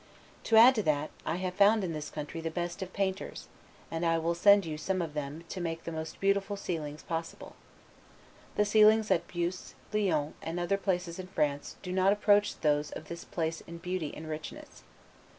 To add to that, I have found in this country the best of painters; and I will send you some of them to make the most beautiful ceilings possible. The ceilings at Beauce, Lyons, and other places in France do not approach those of this place in beauty and richness.